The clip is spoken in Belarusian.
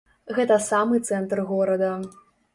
Гэта самы цэнтр горада.